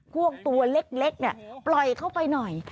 พวกตัวเล็กปล่อยเข้าไปหน่อย